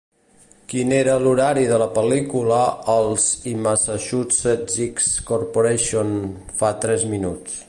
Quin era l'horari de la pel·lícula al IMassachusettsX Corporation fa tres minuts